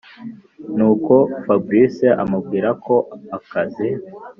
nuko fabric amubwira ko akazi